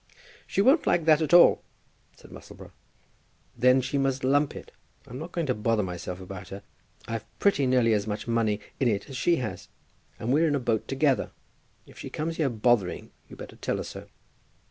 "She won't like that at all," said Musselboro. "Then she must lump it. I'm not going to bother myself about her. I've pretty nearly as much money in it as she has, and we're in a boat together. If she comes here bothering, you'd better tell her so."